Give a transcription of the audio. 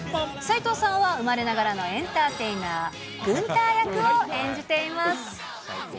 斎藤さんは、生まれながらのエンターテイナー、グンター役を演じています。